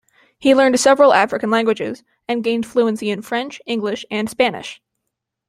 He learned several African languages and gained fluency in French, English, and Spanish.